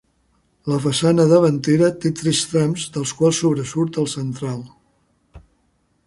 La façana davantera té tres trams dels quals sobresurt el central.